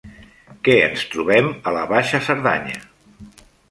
Què ens trobem a la Baixa Cerdanya?